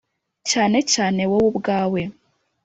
cyane cyane wowe ubwawe,